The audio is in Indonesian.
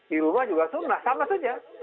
di rumah juga sunnah sama saja